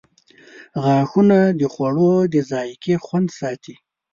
• غاښونه د خوړو د ذایقې خوند ساتي.